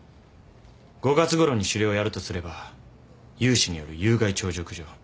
５月ごろに狩猟をやるとすれば有志による有害鳥獣駆除。